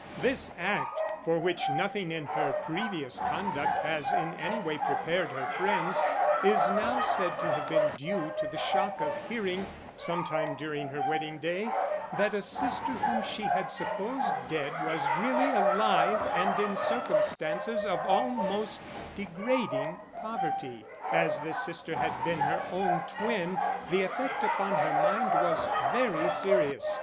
This act, for which nothing in her previous conduct has in any way prepared her friends, is now said to have been due to the shock of hearing, some time during her wedding day, that a sister whom she had supposed dead was really alive and in circumstances of almost degrading poverty. As this sister had been her own twin the effect upon her mind was very serious.